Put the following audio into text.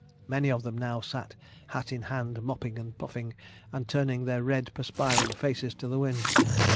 Many of them now sat hat in hand, mopping, and puffing, and turning their red perspiring faces to the wind.